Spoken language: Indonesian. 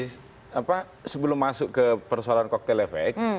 saya belum masuk ke persoalan koktelefex